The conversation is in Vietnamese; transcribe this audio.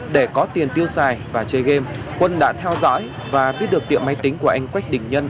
để có tiền tiêu xài và chơi game quân đã theo dõi và biết được tiệm máy tính của anh quách đình nhân